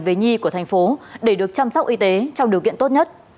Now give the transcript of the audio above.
về nhi của thành phố để được chăm sóc y tế trong điều kiện tốt nhất